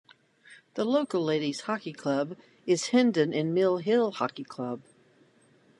The local ladies hockey club is Hendon and Mill Hill Hockey Club.